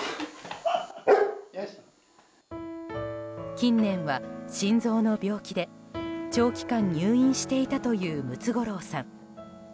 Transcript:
近年は心臓の病気で長期間入院していたというムツゴロウさん。